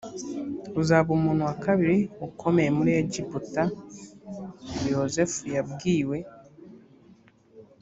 uzaba umuntu wa kabiri ukomeye muri egiputa yozefu yabwiwe